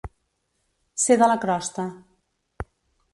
Ser de la crosta.